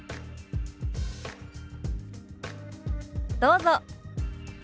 どうぞ。